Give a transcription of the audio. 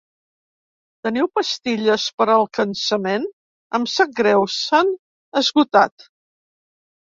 -Teniu pastilles per al cansament? -Em sap greu, s'han esgotat.